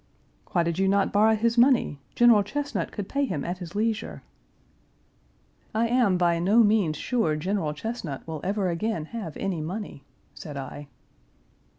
"Why did you not borrow his money? General Chesnut could pay him at his leisure?" "I am by no Page 368 means sure General Chesnut will ever again have any money," said I.